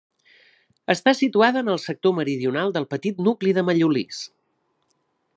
Està situada en el sector meridional del petit nucli de Mallolís.